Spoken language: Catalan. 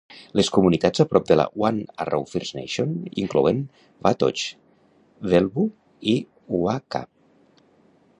Les comunitats a prop de la One Arrow First Nation inclouen Batoche, Bellevue i Wakaw.